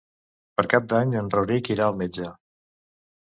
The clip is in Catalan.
Per Cap d'Any en Rauric irà al metge.